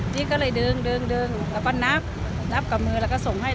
พี่ก็เลยดึงดึงแล้วก็นับนับกับมือแล้วก็ส่งให้